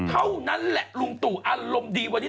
เท่านั้นแหละลุงตู่อารมณ์ดีวันนี้